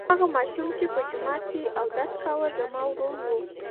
هغه ماشوم چې په جومات کې اودس کاوه زما ورور و.